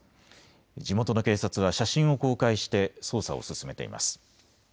地元の警察は写真を公開して捜査を進めています。